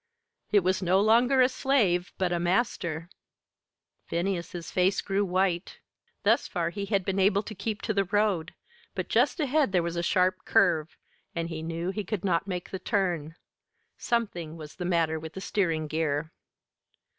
It was no longer a slave, but a master. Phineas's face grew white. Thus far he had been able to keep to the road, but just ahead there was a sharp curve, and he knew he could not make the turn something was the matter with the steering gear.